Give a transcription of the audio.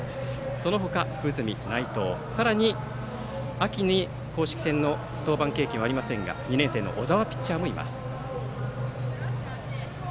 その他、福住、内藤さらに秋に公式戦の登板はありませんが２年生の小澤ピッチャーもいます。